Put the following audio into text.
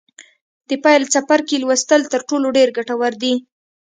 د پیل څپرکي لوستل تر ټولو ډېر ګټور دي.